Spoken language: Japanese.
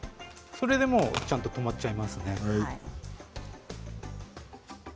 それでもう、ちゃんと留まってしまいますね。